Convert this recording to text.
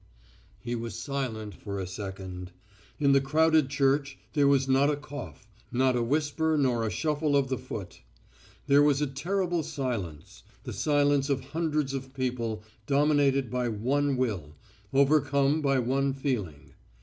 He was silent for a second. In the crowded church there was not a cough, not a whisper nor a shuffle of the foot. There was a terrible silence, the silence of hundreds of people dominated by one will, overcome by one feeling.